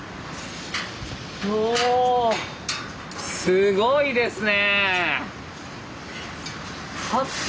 すごいですね。